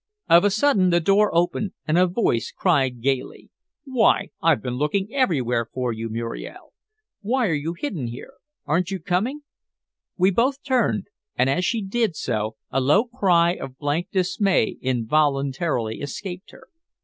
Of a sudden the door opened, and a voice cried gayly "Why, I've been looking everywhere for you, Muriel. Why are you hidden here? Aren't you coming?" We both turned, and as she did so a low cry of blank dismay involuntarily escaped her.